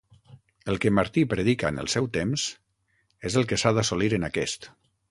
El que Martí predica en el seu temps és el que s'ha d'assolir en aquest.